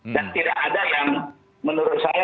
dan tidak ada yang menurut saya